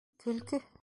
Көлкө.